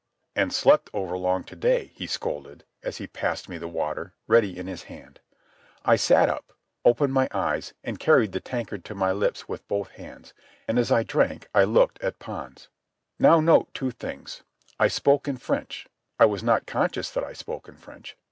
"And slept over long to day," he scolded, as he passed me the water, ready in his hand. I sat up, opened my eyes, and carried the tankard to my lips with both my hands. And as I drank I looked at Pons. Now note two things. I spoke in French; I was not conscious that I spoke in French.